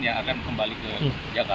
yang akan kembali ke jakarta